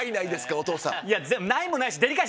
お父さん。